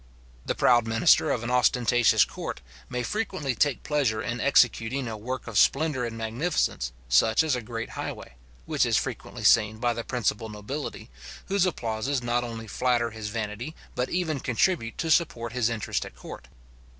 The proud minister of an ostentatious court, may frequently take pleasure in executing a work of splendour and magnificence, such as a great highway, which is frequently seen by the principal nobility, whose applauses not only flatter his vanity, but even contribute to support his interest at court.